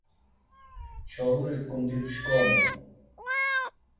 Çouri ǩundi mşǩomu.